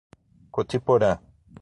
Cotiporã